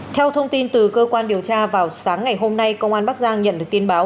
theo thông tin từ cơ quan điều tra vào sáng ngày hôm nay công an bắc giang nhận được tin báo